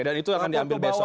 dan itu akan diambil besok ya